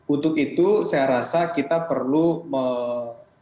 untuk itu saya rasa kita perlu melakukan